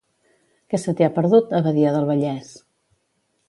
Què se t'hi ha perdut, a Badia del Valles?